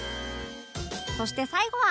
そして最後は